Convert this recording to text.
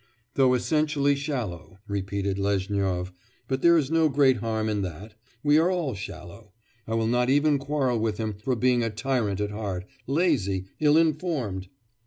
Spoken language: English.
'Though essentially shallow,' repeated Lezhnyov; 'but there's no great harm in that; we are all shallow. I will not even quarrel with him for being a tyrant at heart, lazy, ill informed!